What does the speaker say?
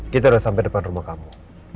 kita udah sampai depan rumah kamu